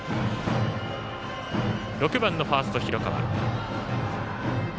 ６番のファースト、広川。